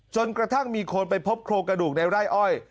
จนกระทั่งมีคนไปพบโครงกระดูกในไร่อ้อย